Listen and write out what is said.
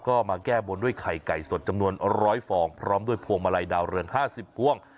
ก็มาแก้บนด้วยไข่ไก่สดจำนวน๑๐๐ฟองพร้อมด้วยพวงมาลัยดาวเรือง๕๐พวง